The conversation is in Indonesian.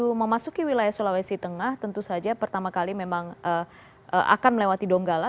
untuk memasuki wilayah sulawesi tengah tentu saja pertama kali memang akan melewati donggala